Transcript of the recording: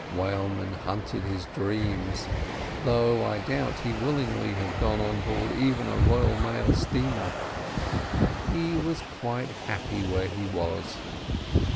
Whalemen haunted his dreams, though I doubt if he would willingly have gone on board even a Royal Mail steamer. He was quite happy where he was.